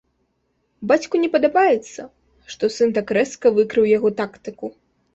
Бацьку не падабаецца, што сын так рэзка выкрыў яго тактыку.